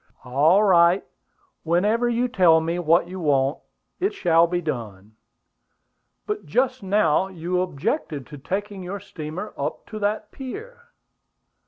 "All right. Whenever you tell me what you want, it shall be done." "But just now you objected to taking your steamer up to that pier."